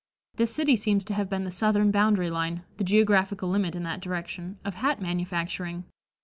This city seems to have been the southern boundary line the geographical limit in that direction of hat manufacturing.